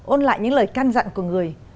ôn lại những lời can dặn của người